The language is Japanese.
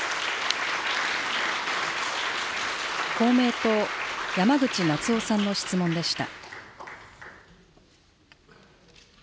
公明党、山口那津男さんの質問でした。